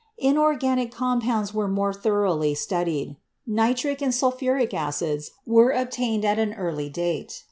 Inorganic Compounds were more thoroughly studied. Nitric and sulphuric acids were obtained at an early date.